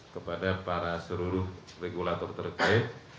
kepada para seluruh regulator terkait